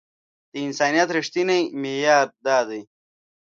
د انسانيت رښتينی معيار دا دی.